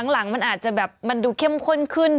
หลังมันอาจจะแบบมันดูเข้มข้นขึ้น